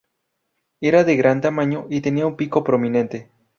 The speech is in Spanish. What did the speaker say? Era de gran tamaño, y tenía un pico prominente.